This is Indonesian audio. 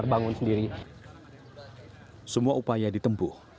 beres drive masya allah